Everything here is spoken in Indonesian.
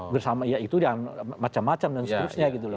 bersama ya itu dan macam macam dan seterusnya gitu